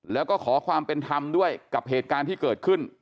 แล้วก็ขอความเป็นธรรมด้วยกับเหตุการณ์ที่เกิดขึ้น